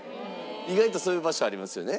意外とそういう場所ありますよね。